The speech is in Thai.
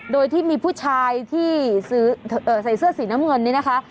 โดยที่มีผู้ชายที่ใส่เสื้อสีน้ำเงินนี่นะคะ